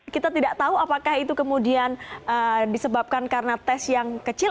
kita tidak tahu apakah itu kemudian disebabkan karena tes yang kecil